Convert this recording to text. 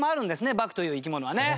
バクという生き物はね。